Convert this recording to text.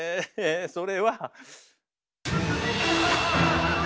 それは。